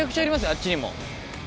あっちにも。